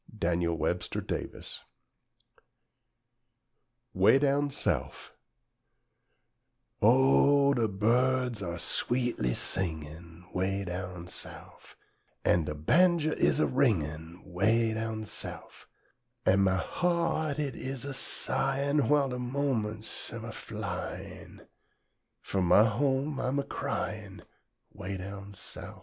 Daniel Webster Davis 'WEH DOWN SOUF O, de birds ar' sweetly singin', 'Weh down Souf, An' de banjer is a ringin', 'Weh down Souf; An' my heart it is a sighin', Whil' de moments am a flyin', Fur my hom' I am a cryin', 'Weh down Souf.